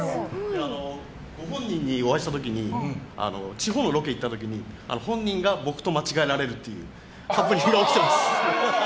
ご本人に、お会いした時に地方のロケに行った時に、本人が僕と間違えられるハプニングが起きたんです。